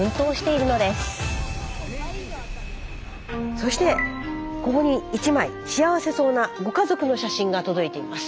そしてここに一枚幸せそうなご家族の写真が届いています。